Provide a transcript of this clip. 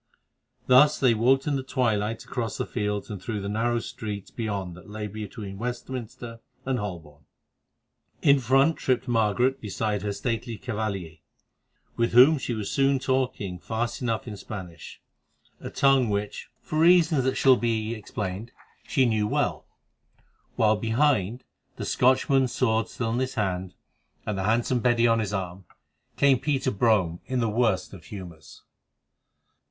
Thus they walked in the twilight across the fields and through the narrow streets beyond that lay between Westminster and Holborn. In front tripped Margaret beside her stately cavalier, with whom she was soon talking fast enough in Spanish, a tongue which, for reasons that shall be explained, she knew well, while behind, the Scotchman's sword still in his hand, and the handsome Betty on his arm, came Peter Brome in the worst of humours.